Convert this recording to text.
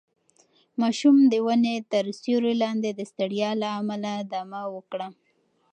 ماشوم د ونې تر سیوري لاندې د ستړیا له امله دمه وکړه.